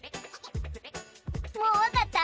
もうわかった？